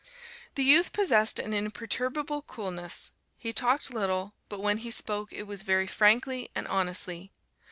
The youth possessed an imperturbable coolness: he talked little, but when he spoke it was very frankly and honestly.